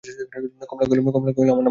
কমলা কহিল, আমার নাম কমলা।